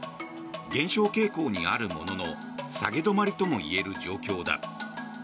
減少傾向にあるものの下げ止まりともいえる状況だ。